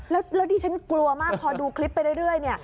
แล้วที่ฉันกลัวมากพอดูคลิปไปเรื่อย